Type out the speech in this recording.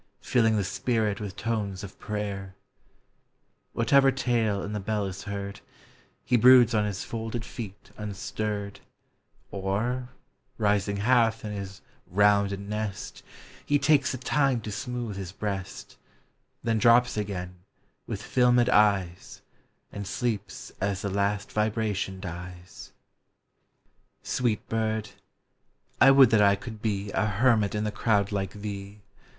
Filling the spirit with tones of prayer, — Whatever tale in the bell is heard, He broods on his folded feet unstirred, Or, rising half in his rounded nest, He takes the time to smooth his breast, Then drops again, with filmed eyes, And sleeps as the last vibration dies. Sweet bird ! I would that I could be A hermit in the crowd like thee!